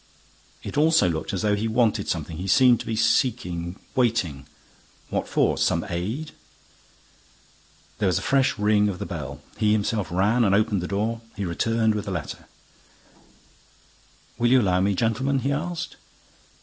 It also looked as though he wanted something. He seemed to be seeking, waiting. What for? Some aid? There was a fresh ring of the bell. He himself ran and opened the door. He returned with a letter: "Will you allow me, gentlemen?" he asked.